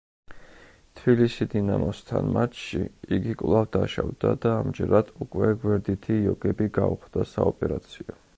თბილისი „დინამოსთან“ მატჩში იგი კვლავ დაშავდა და ამჯერად უკვე გვერდითი იოგები გაუხდა საოპერაციო.